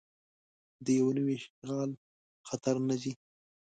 د یو نوي اشغال خطر نه ځي.